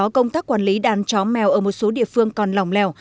cắn chó mèo ở một số địa phương còn lòng lèo